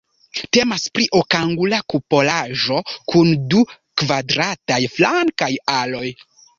Temas pri okangula kupolaĵo kun du kvadrataj flankaj aloj.